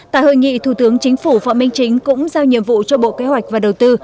tại hội nghị thủ tướng chính phủ phạm minh chính cũng giao nhiệm vụ cho bộ kế hoạch và đầu tư